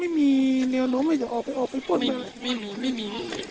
ไม่มีไม่มีไม่มีจริงไม่มีเงินเงินทองเขาก็ไม่มี